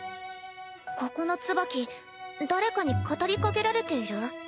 ここのツバキ誰かに語りかけられている？